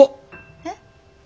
えっ？